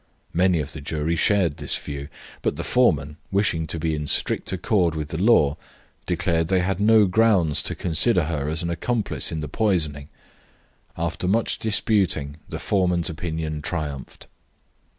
Many of the jury shared this view, but the foreman, wishing to be in strict accord with the law, declared they had no grounds to consider her as an accomplice in the poisoning. After much disputing the foreman's opinion triumphed.